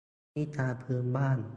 นิทานพื้นบ้าน